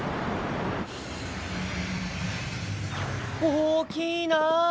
大きいな！